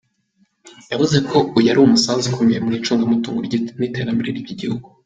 Yavuze ko uyu ari umusanzu ukomeye ku icungamutungo n’iterambere ry’igihugu.